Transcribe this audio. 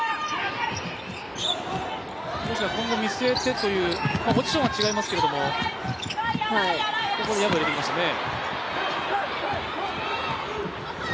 今後を見据えてというポジションは違いますけど薮を入れてきましたね。